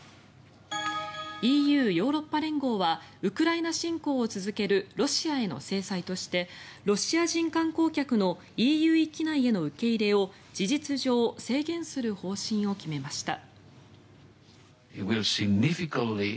ＥＵ・ヨーロッパ連合はウクライナ侵攻を続けるロシアへの制裁としてロシア人観光客のＥＵ域内への受け入れを事実上、制限する方針を決めました。